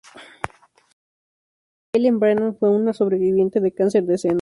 Eileen Brennan fue una sobreviviente de cáncer de seno.